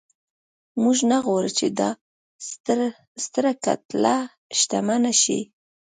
موږ نه غواړو چې دا ستره کتله شتمنه شي.